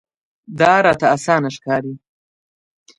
دا راته اسانه ښکاري.